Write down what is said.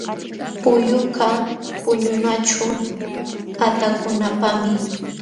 Pullukaq puñunaćhu qatakunapaqmi.